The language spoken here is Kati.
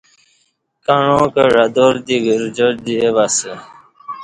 کعاں کں عدار دی گرجار دی او اسہ